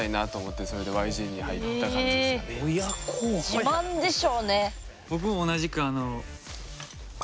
自慢でしょうね。